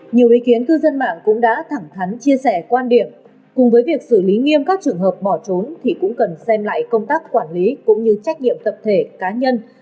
nhiều ý kiến cư dân mạng cũng đã thẳng thắn chia sẻ quan điểm cùng với việc xử lý nghiêm các trường hợp bỏ trốn thì cũng cần xem lại công tác quản lý cũng như trách nhiệm tập thể cá nhân